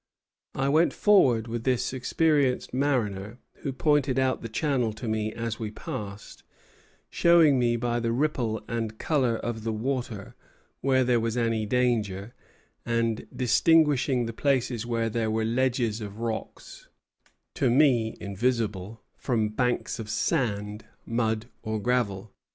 I went forward with this experienced mariner, who pointed out the channel to me as we passed; showing me by the ripple and color of the water where there was any danger, and distinguishing the places where there were ledges of rocks (to me invisible) from banks of sand, mud, or gravel.